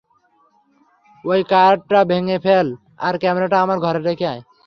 ওই কার্ডটা ভেঙ্গে ফেল আর ক্যামেরাটা আমার ঘরে রেখে আয়।